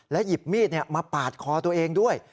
หยิบมีดมาปาดคอตัวเองด้วย